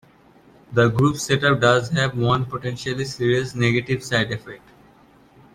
The group setup does have one potentially serious negative side effect.